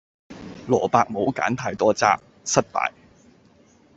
蘿蔔冇揀過太多渣，失敗